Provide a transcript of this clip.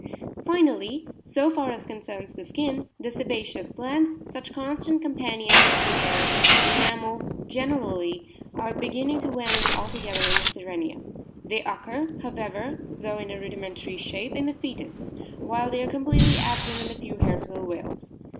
Finally (so far as concerns the skin), the sebaceous glands, such constant companions of the hairs in mammals generally, are beginning to vanish alto gether in the Sirenia. They occur, however, though in a rudimentary shape, in the fcetus, while they are completely absent in the few hairs of the whales.